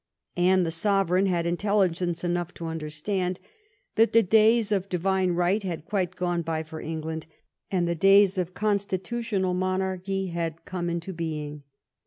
Anne the sov ereign had intelligence enough to understand that the days of divine right had quite gone by for England, and the days of constitutional monarchy had come into 314 •'HARLEY, THE NATION'S GREAT SUPPORT" being.